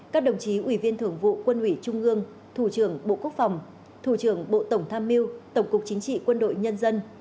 các đồng chí ủy viên thưởng vụ quân ủy trung ương thủ trưởng bộ quốc phòng thủ trưởng bộ tổng tham mưu tổng cục chính trị quân đội nhân dân